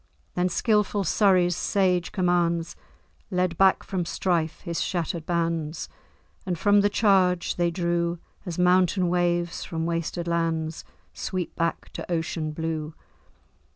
Then skilful Surrey's sage commands Led back from strife his shattered bands; And from the charge they drew, As mountain waves, from wasted lands, Sweep back to ocean blue.